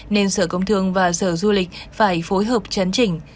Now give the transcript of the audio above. nên sở công thương và sở du lịch phải phối hợp chấn chỉnh